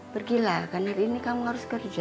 pergilah kan hari ini kamu harus kerja